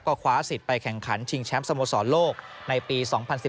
ก็คว้าสิทธิ์ไปแข่งขันชิงแชมป์สโมสรโลกในปี๒๐๑๘